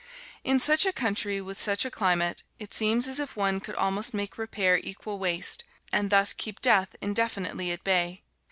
In such a country, with such a climate, it seems as if one could almost make repair equal waste, and thus keep death indefinitely at bay.